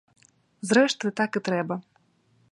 Зрэшты, так і трэба.